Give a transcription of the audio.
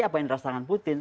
apa yang dirasa dengan putin